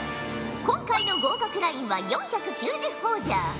今回の合格ラインは４９０ほぉじゃ。